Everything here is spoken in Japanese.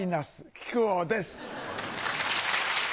木久扇です。